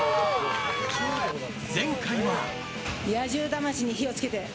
前回は。